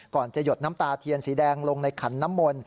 ก่อนจะหยดน้ำตาเทียนสีแดงลงในขันน้ำมนต